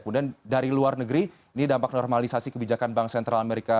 kemudian dari luar negeri ini dampak normalisasi kebijakan bank sentral amerika